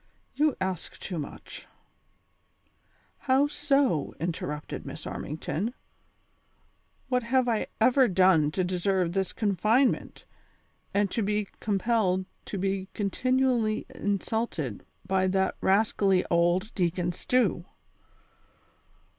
" You ask too much ''—" IIow so V " interrupted Miss Armington ;" what have I ever done to deserve this confinement, and to be com pelled to be continually insulted by that rascally old Deacon Stew